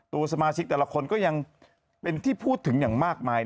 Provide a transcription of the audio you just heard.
ตัวสมาชิกแต่ละคนก็ยังเป็นที่พูดถึงอย่างมากมาย